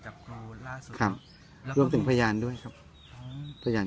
กับครูล่าสุดครับรวมถึงพยานด้วยครับพยาน